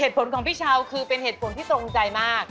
ผลของพี่เช้าคือเป็นเหตุผลที่ทรงใจมาก